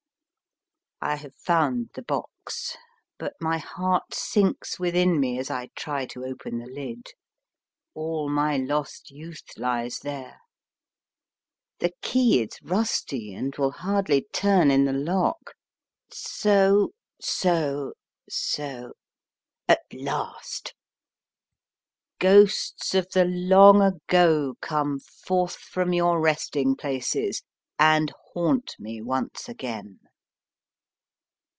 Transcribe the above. I have found the box, but my heart sinks within me as I try to open the lid. All my lost youth lies there. The key is rusty and will hardly turn in the lock. ; n / *T ^> 78 MY FIRST BOOK So so so, at last ! Ghosts of the long ago, come forth from your resting places and haunt me once again.